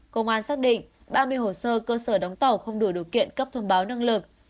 công an xác định ba mươi hồ sơ cơ sở đóng tàu không đủ điều kiện cấp thông báo năng lực